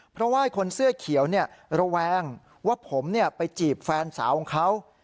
เพราะว่าคนเสื้อเขียวระแวงว่าผมไปจีบแฟนสาวของเขา